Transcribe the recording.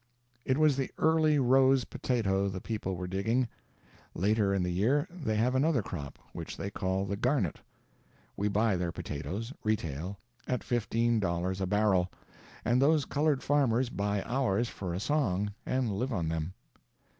It was the Early Rose potato the people were digging. Later in the year they have another crop, which they call the Garnet. We buy their potatoes (retail) at fifteen dollars a barrel; and those colored farmers buy ours for a song, and live on them.